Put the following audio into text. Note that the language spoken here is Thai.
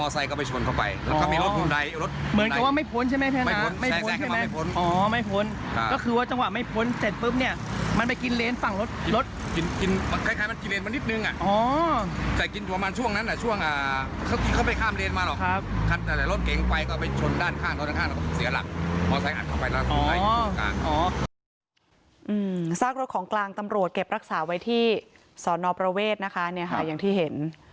ซากรถของกลางตำรวจเก็บรักษาไว้ที่สอนอประเวทนะคะอย่างที่เห็น